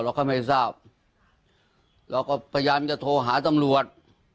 ก็ไม่ทราบเราก็พยายามจะโทรหาตำรวจ